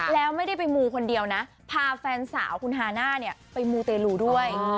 แล้วไม่ได้ไปมูคนเดียวนะพาแฟนสาวคุณฮาน่าเนี่ยไปมูเตลูด้วย